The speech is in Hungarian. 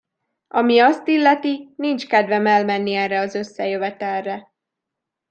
Ami azt illeti, nincs kedvem elmenni erre az összejövetelre.